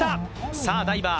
さあダイバー